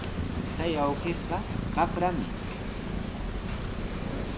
Chay awkishqa qaprami.